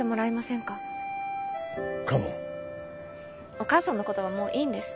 お母さんのことはもういいんです。